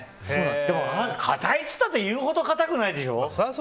でも硬いって言ったって言うほど硬くないでしょ。